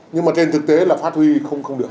nhưng mà trên thực tế là phát huy không được